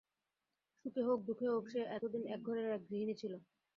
সুখে হোক, দুঃখে হোক, সে এতদিন এক ঘরের এক গৃহিণী ছিল।